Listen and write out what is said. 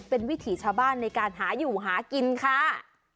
เป็นวิถีชาวบ้านในการหาอยู่หากินค่ะ